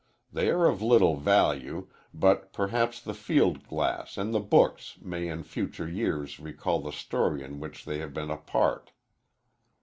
They are of little value, but perhaps the field glass and the books may in future years recall the story in which they have been a part.